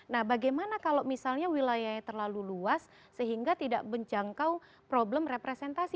nah bagaimana kalau misalnya wilayahnya terlalu luas sehingga tidak menjangkau problem representasi